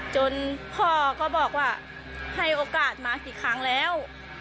จนพ่อก็บอกว่าให้โอกาสมากี่ครั้งแล้ว